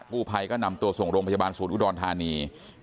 กู้ภัยก็นำตัวส่งโรงพยาบาลศูนย์อุดรธานี